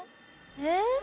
えっ？